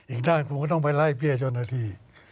อีกด้านคุณก็ต้องไปไล่เบี้ยเจ้าหน้าที่